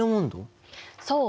そう。